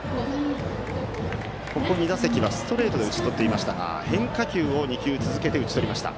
ここ２打席はストレートで打ち取っていましたが変化球を２球続けて打ち取りました。